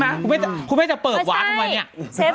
ใช่ไหมคุณไม่ใช่จะเปิดวาร์ดทำไมนี่